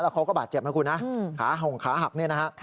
เขาก็บาดเจ็บนะคุณนะขาห่งขาหักเนี่ยนะฮะ